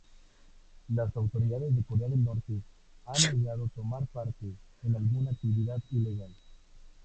Las autoridades de Corea del Norte han negado tomar parte en alguna actividad ilegal.